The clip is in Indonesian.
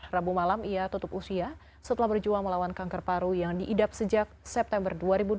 rabu malam ia tutup usia setelah berjuang melawan kanker paru yang diidap sejak september dua ribu dua puluh